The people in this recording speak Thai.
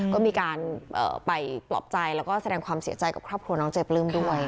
ก็มีการไปปลอบใจแล้วก็แสดงความเสียใจกับครอบครัวน้องเจปลื้มด้วย